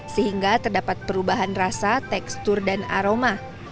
sehingga terdapat perubahan rasa tekstur dan aroma